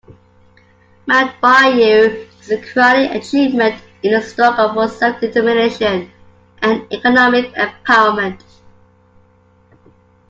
Mound Bayou is a crowning achievement in the struggle for self-determination and economic empowerment.